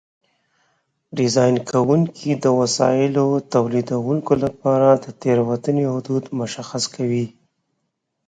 ډیزاین کوونکي د وسایلو تولیدوونکو لپاره د تېروتنې حدود مشخص کوي.